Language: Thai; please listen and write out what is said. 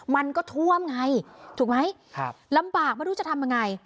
มันก็ท่วมไงถูกไหมลำบากไม่รู้จะทำยังไง